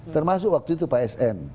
termasuk waktu itu pak sn